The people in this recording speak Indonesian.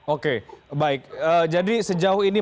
oke baik jadi sejauh ini